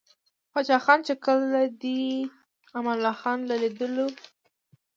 پاچاخان ،چې کله دې امان الله خان له ليدلو o